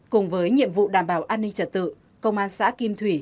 cùng với nhiệm vụ đảm bảo an ninh trật tự công an xã kim thủy